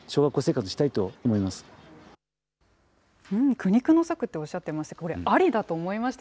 苦肉の策とおっしゃってましたが、これ、ありだと思いました。